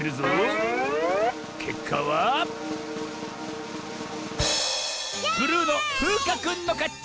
けっかはブルーのふうかくんのかち！